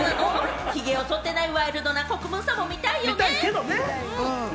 ひげを剃ってないワイルドな国分さんも見たいよね。